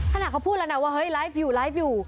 ขนาดเขาพูดแล้วนะว่าไลฟ์อยู่